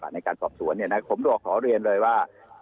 ในการสอบสวนเนี่ยก็ขอเรียนเลยว่า